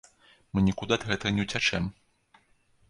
Мы нікуды ад гэтага не ўцячэм.